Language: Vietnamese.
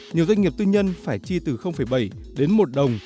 nhiều doanh nghiệp tư nhân phải chi từ bảy đến một đồng